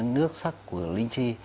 nước sắc của linh chi